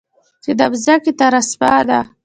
چې د مځکې تر اسمانه